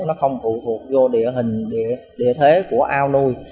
nó không phụ thuộc vô địa hình địa thế của ao nuôi